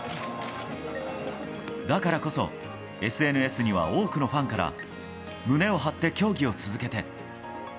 だからこそＳＮＳには多くのファンから「胸を張って競技を続けて」。